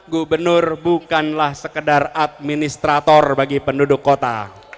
gubernur bukanlah sekedar administrator bagi penduduk kota